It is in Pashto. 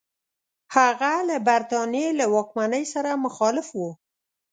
هغه له برټانیې له واکمنۍ سره مخالف وو.